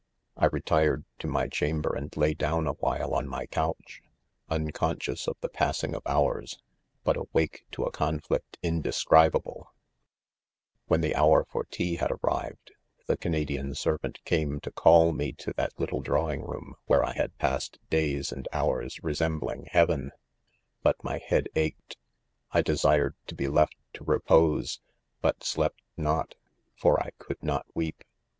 I retired to my chamber and lay down awhile on my. couch, unconscious of the passing of hours, but awake to a conflict indescribable, ' When the hour for tea had arrived, the Canadian servant came to call me to that lit tle drawing room where I had passed days and hours resembling heaven ; but my head ached ; 1 desired to be left to repose, but slept not, for I could not weep.